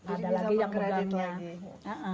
ada lagi yang mau ganti